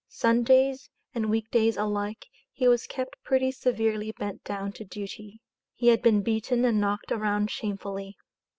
Sundays and week days alike he was kept pretty severely bent down to duty. He had been beaten and knocked around shamefully.